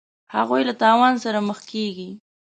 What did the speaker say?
هغوی له تاوان سره مخ کیږي.